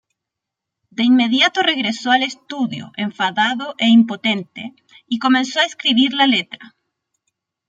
De inmediato regresó al estudio enfadado e impotente y comenzó a escribir la letra.